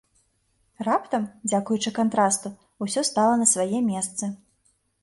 Раптам, дзякуючы кантрасту, усё стала на свае месцы.